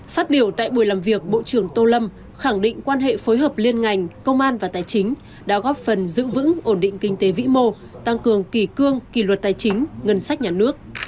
phát biểu tại buổi làm việc bộ trưởng tô lâm khẳng định quan hệ phối hợp liên ngành công an và tài chính đã góp phần giữ vững ổn định kinh tế vĩ mô tăng cường kỳ cương kỳ luật tài chính ngân sách nhà nước